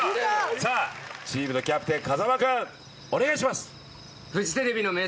さあチームのキャプテン風間君お願いします。